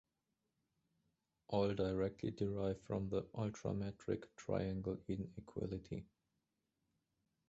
All directly derive from the ultrametric triangle inequality.